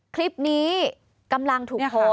คลิปนี้กำลังถูกโพสต์